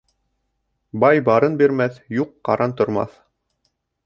Бай барын бирмәҫ, юҡ ҡаран тормаҫ.